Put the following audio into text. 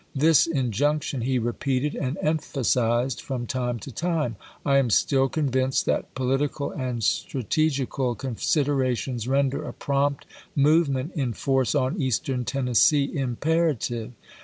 This injunction he repeated and emphasized from time to time :" I am still con ^dnced that political and strategical considerations render a promj)t movement in force on Eastern Tennessee imperative.